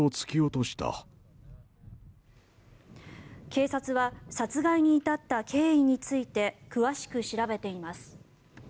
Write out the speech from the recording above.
警察は殺害に至った経緯について詳しく調べています。